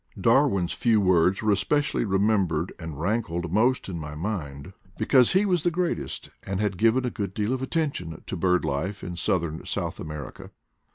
Darwin's few words were espe cially remembered and rankled most in my mind, because he was the greatest and had given a good deal of attention to bird life in southern South America.